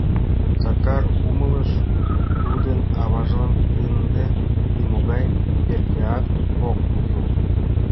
Сакар умылыш: тудын аважлан ынде нимогай перкеат ок кӱл.